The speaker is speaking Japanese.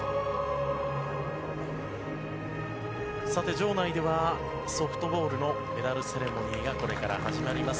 場内ではソフトボールのメダルセレモニーがこれから始まります。